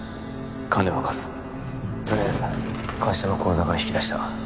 金は貸すとりあえず会社の口座から引き出した